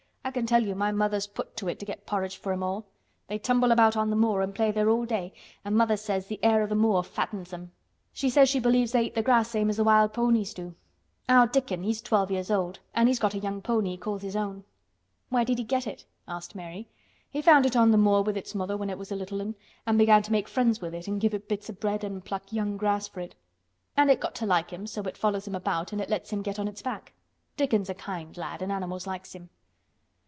I can tell you my mother's put to it to get porridge for 'em all. They tumble about on th' moor an' play there all day an' mother says th' air of th' moor fattens 'em. She says she believes they eat th' grass same as th' wild ponies do. Our Dickon, he's twelve years old and he's got a young pony he calls his own." "Where did he get it?" asked Mary. "He found it on th' moor with its mother when it was a little one an' he began to make friends with it an' give it bits o' bread an' pluck young grass for it. And it got to like him so it follows him about an' it lets him get on its back. Dickon's a kind lad an' animals likes him."